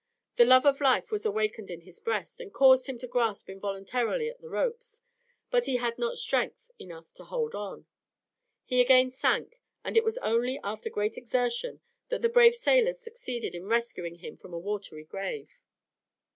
The love of life was awakened in his breast, and caused him to grasp involuntarily at the ropes, but he had not strength enough to hold on. He again sank, and it was only after great exertion that the brave sailors succeeded in rescuing him from a watery grave.